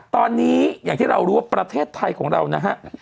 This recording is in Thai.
ตอนนี้อย่างที่เรารู้ว่าประเทศไทยของเรานะฮะ